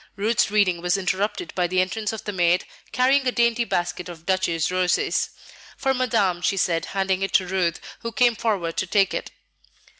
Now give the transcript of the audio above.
Ruth's reading was interrupted by the entrance of the maid, carrying a dainty basket of Duchesse roses. "For Madame," she said, handing it to Ruth, who came forward to take it.